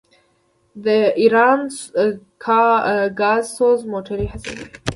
ایران ګازسوز موټرې هڅوي.